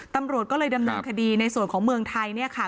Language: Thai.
ตำรวจก็เลยดำเนินคดีในส่วนของเมืองไทยเนี่ยค่ะ